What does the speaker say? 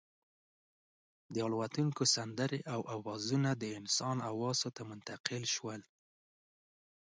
د الوتونکو سندرې او اوازونه د انسان حواسو ته منتقل شول.